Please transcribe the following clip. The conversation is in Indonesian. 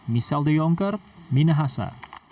misal de jongker minahasa